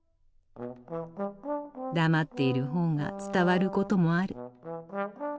黙っている方が伝わることもある。